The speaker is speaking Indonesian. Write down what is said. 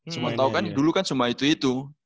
semua tau kan dulu kan semua itu itu